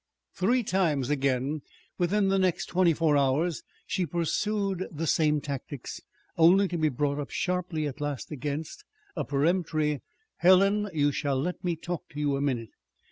Three times again within the next twenty four hours she pursued the same tactics, only to be brought up sharply at last against a peremptory "Helen, you shall let me talk to you a minute!